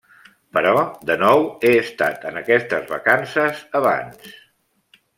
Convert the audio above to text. Però, de nou, he estat en aquestes vacances abans.